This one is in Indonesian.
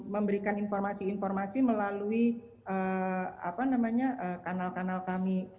memberikan informasi informasi melalui kanal kanal kami